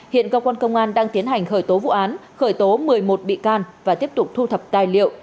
hiện cơ quan công an đang tiến hành khởi tố vụ án khởi tố một mươi một bị can và tiếp tục thu thập tài liệu